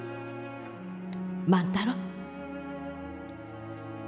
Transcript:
万太郎。